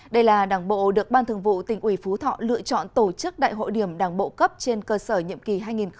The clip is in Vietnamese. đây là đảng bộ được ban thường vụ tỉnh ủy phú thọ lựa chọn tổ chức đại hội điểm đảng bộ cấp trên cơ sở nhiệm kỳ hai nghìn hai mươi hai nghìn hai mươi năm